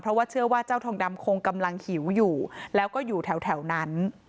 เพราะว่าเชื่อว่าเจ้าทองดำคงกำลังหิวอยู่แล้วก็อยู่แถวนั้น